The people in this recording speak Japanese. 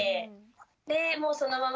でもうそのまま